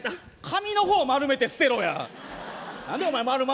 紙の方丸めて捨てろや！